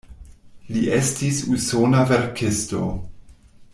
Li estis usona verkisto.